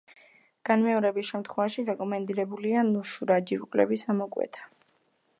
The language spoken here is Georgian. განმეორების შემთხვევაში რეკომენდებულია ნუშურა ჯირკვლების ამოკვეთა.